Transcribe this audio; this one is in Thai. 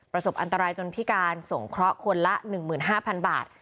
ประสบอันตรายจนพิการสงเคราะห์คนละ๑๕๐๐๐บาท